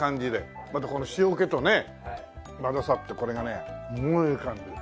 またこの塩気とね混ざってこれがねすごいいい感じ。